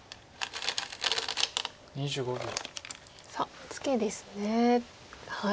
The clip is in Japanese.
さあツケですね。